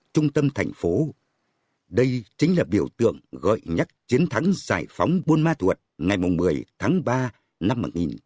trung tâm thành phố đây chính là biểu tượng gợi nhắc chiến thắng giải phóng buôn ma thuột ngày một mươi tháng ba năm một nghìn chín trăm bảy mươi năm